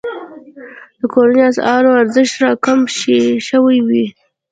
د کورنیو اسعارو ارزښت راکم شوی وي.